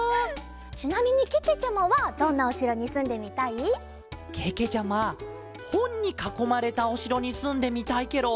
ちなみにけけちゃまはどんなおしろにすんでみたい？けけちゃまほんにかこまれたおしろにすんでみたいケロ。